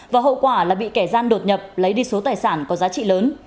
và hậu quả là bị kẻ gian đột nhập lấy đi số tài sản có giá trị lớn